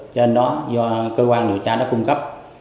trên đó do cơ quan điều tra nó cung cấp